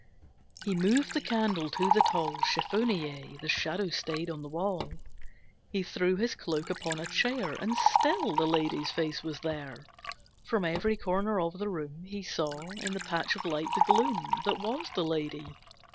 He moved the candle to the tall Chiffonier; the Shadow stayed on the wall. He threw his cloak upon a chair, And still the lady's face was there. From every corner of the room He saw, in the patch of light, the gloom That was the lady.